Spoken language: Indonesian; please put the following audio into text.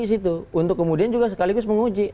di situ untuk kemudian juga sekaligus menguji